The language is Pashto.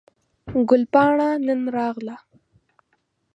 ګل پاڼه نن راغله